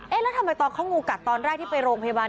แล้วทำไมตอนเขางูกัดตอนแรกที่ไปโรงพยาบาล